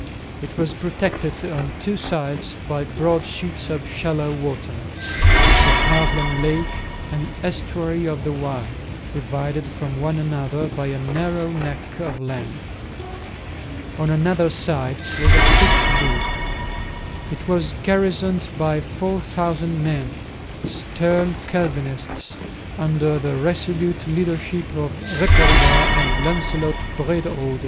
It was protected on two sides by broad sheets of shallow water, the Haarlem lake and the estuary of the Y, divided from one another by a narrow neck of land. On another side was a thick wood. It was garrisoned by 4000 men, stern Calvinists, under the resolute leadership of Ripperda and Lancelot Brederode.